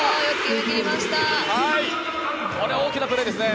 これは大きなプレーですね。